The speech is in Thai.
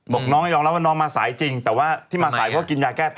บอกน้องให้้อนรับว่าน้องมาสายจริง